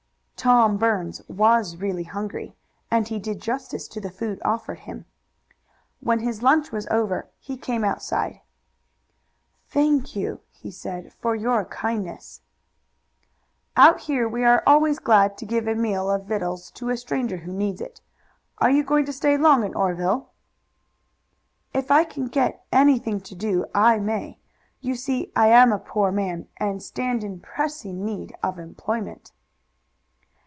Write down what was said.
Tom Burns was really hungry, and he did justice to the food offered him. When his lunch was over he came outside. "Thank you," he said, "for your kindness." "Out here we are always glad to give a meal of victuals to a stranger who needs it. Are you going to stay long in Oreville?" "If I can get anything to do I may. You see I am a poor man, and stand in pressing need of employment."